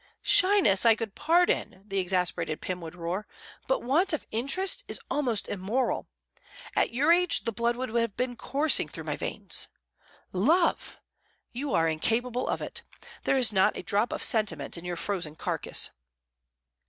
"Shyness I could pardon," the exasperated Pym would roar; "but want of interest is almost immoral. At your age the blood would have been coursing through my veins. Love! You are incapable of it. There is not a drop of sentiment in your frozen carcass."